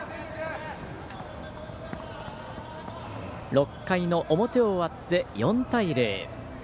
６回の表終わって４対０。